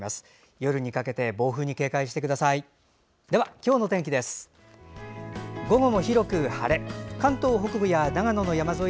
夜にかけて暴風に警戒してください。